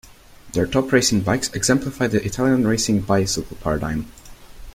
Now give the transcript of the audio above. Their top racing bikes "exemplify the Italian racing bicycle paradigm".